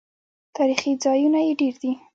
تاریخي ځایونه یې ډیر دي.